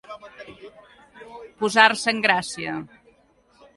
Posar-se en gràcia.